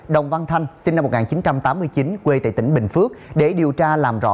đồng văn thanh sinh năm một nghìn chín trăm tám mươi chín quê tại tỉnh bình phước để điều tra làm rõ